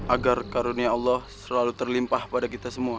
agar karunia allah selalu terlimpah pada kita semua